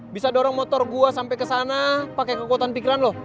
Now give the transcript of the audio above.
bisa dorong motor gue sampe kesana pake kekuatan pikiran lo